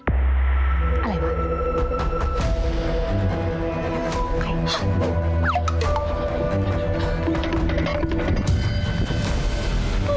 อะไรวะ